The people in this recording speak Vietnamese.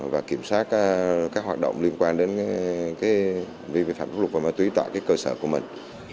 và kiểm soát các hoạt động liên quan đến vi phạm pháp luật và ma túy tại cơ sở của mình